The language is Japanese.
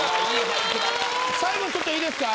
最後にちょっといいですか。